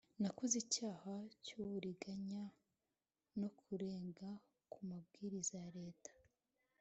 nakoze icyaha cy’uburiganya no kurenga ku mabwiriza ya Leta